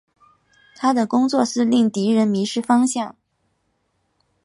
他的工作是令敌人迷失方向。